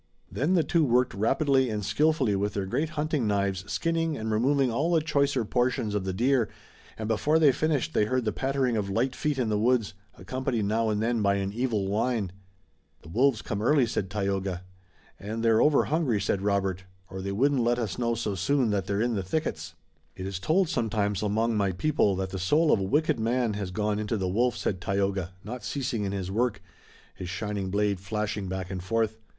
Then the two worked rapidly and skillfully with their great hunting knives, skinning and removing all the choicer portions of the deer, and before they finished they heard the pattering of light feet in the woods, accompanied now and then by an evil whine. "The wolves come early," said Tayoga. "And they're over hungry," said Robert, "or they wouldn't let us know so soon that they're in the thickets." "It is told sometimes, among my people, that the soul of a wicked man has gone into the wolf," said Tayoga, not ceasing in his work, his shining blade flashing back and forth.